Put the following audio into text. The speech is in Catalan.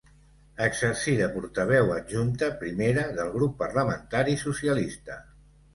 Exercí de portaveu adjunta primera del grup parlamentari socialista.